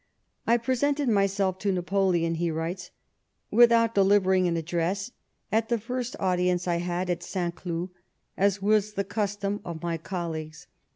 " I presented myself to Napoleon," he writes, "without delivering an address at the first audience I had at St. Cloud, as was the custom of my colleagues.